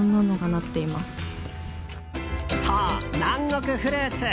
そう、南国フルーツ。